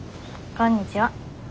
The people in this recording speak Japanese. こんにちは。